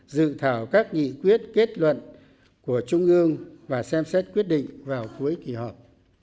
dự thảo các nghị quyết kết luận của trung ương và xem xét quyết định vào cuối kỳ họp